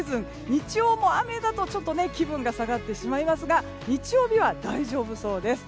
日曜も雨だと気分が下がってしまいますが日曜日は大丈夫そうです。